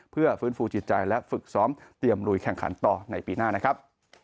เพื่อฟื้นฟูจิตใจและฝึกซ้อมเตรียมลุยแข่งขันต่อในปีหน้านะครับ